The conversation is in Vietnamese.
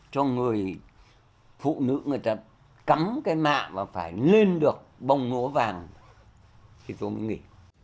cho người phụ nữ người ta cắm cái mạ và phải lên được bông ngũa vàng thì tôi mới nghỉ